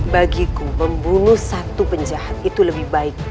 bagiku membunuh satu penjahat itu lebih baik